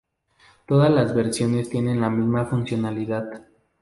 Todas las versiones tienen la misma funcionalidad.